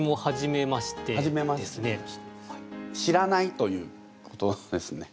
知らないということですね。